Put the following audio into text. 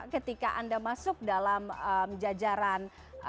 ketika anda masuk dalam jajaran